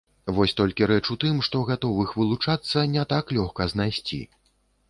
Вось толькі рэч у тым, што гатовых вылучацца не так лёгка знайсці.